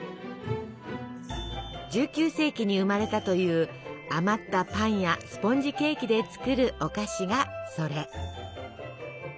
１９世紀に生まれたという余ったパンやスポンジケーキで作るお菓子がそれ。